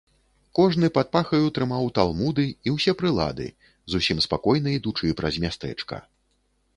Кожны пад пахаю трымаў талмуды і ўсе прылады, зусім спакойна ідучы праз мястэчка.